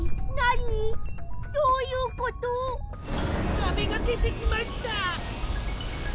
かべがでてきました。